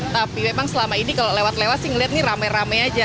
tapi memang selama ini kalau lewat lewat sih ngeliat nih rame rame aja